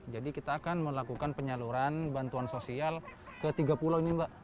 kita akan melakukan penyaluran bantuan sosial ke tiga pulau ini mbak